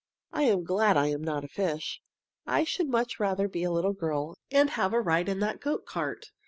"I am glad I am not a fish. I should much rather be a little girl and have a ride in that goat cart.